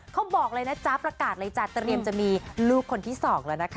เขาบอกเลยนะจ๊ะประกาศเลยจ้ะเตรียมจะมีลูกคนที่สองแล้วนะคะ